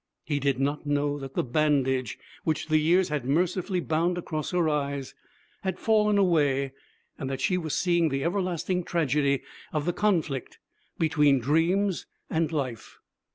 He did not know that the bandage which the years had mercifully bound across her eyes had fallen away, and that she was seeing the everlasting tragedy of the conflict between dreams and life.